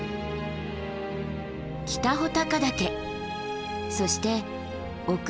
北穂高岳そして奥穂高岳。